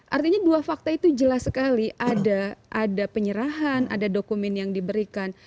artinya dua fakta itu jelas sekali ada penyerahan ada dokumen yang diberikan